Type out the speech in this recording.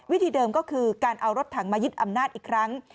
วิธีเดิมก็คือการเอารถถังมายึดอำนาจอีกครั้ง